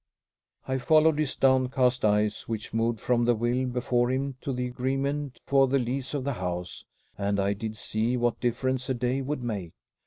I followed his downcast eyes, which moved from the will before him to the agreement for the lease of the house; and I did see what difference a day would make.